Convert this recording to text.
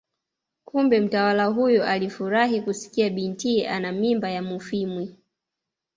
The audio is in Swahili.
Kumbe mtawala huyo alifurahi kusikia bintiye ana mimba ya Mufwimi